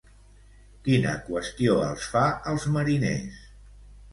Quina qüestió els fa als mariners?